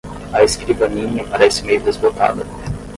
A escrivaninha parece meio desbotada